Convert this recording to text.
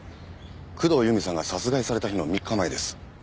工藤由美さんが殺害された日の３日前です。